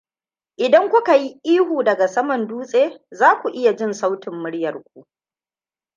Idan kuka yi ihu daga saman dutse, zaku iya jin sautin muryarku.